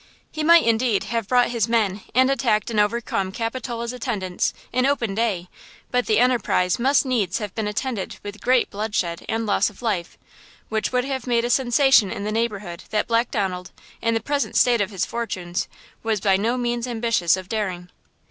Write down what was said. He might, indeed, have brought his men and attacked and overcome Capitola's attendants, in open day; but the enterprise must needs have been attended with great bloodshed and loss of life, which would have made a sensation in the neighborhood that Black Donald, in the present state of his fortunes, was by no means ambitious of daring.